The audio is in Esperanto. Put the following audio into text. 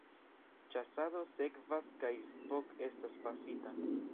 Ĉasado sekvas kaj Spock estas pafita.